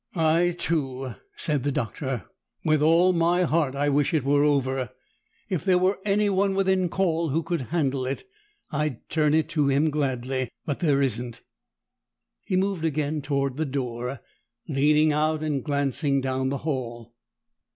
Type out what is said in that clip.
"I too!" said the Doctor. "With all my heart, I wish it were over! If there were anyone within call who could handle it, I'd turn it to him gladly. But there isn't!" He moved again toward the door, leaning out and glancing down the hall.